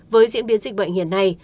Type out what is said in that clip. với diễn biến dịch bệnh hiện nay